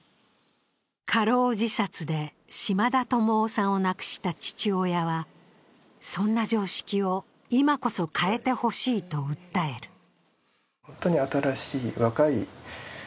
過労自殺で嶋田友生さんを亡くした父親は、そんな常識を今こそ変えてほしいと訴える。